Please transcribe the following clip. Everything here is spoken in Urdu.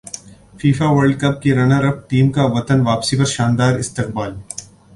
فیفاورلڈ کپ کی رنراپ ٹیم کا وطن واپسی پر شاندار استقبال